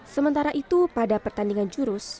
sementara itu pada pertandingan jurus